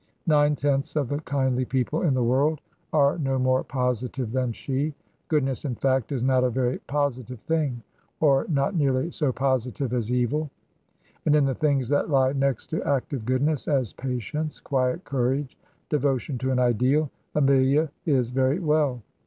Nine tenths of the kindly people in the world are no more positive than she; goodness, in fact, is not a very posi tive thing, or not nearly so positive as evil ; and in the things that lie next to active goodness, as patience, quiet courage, devotion to an ideal, Amelia is very well.